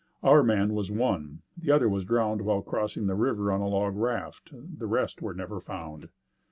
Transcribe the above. Our man was one, the other was drowned while crossing the river on a log raft, the rest were never found.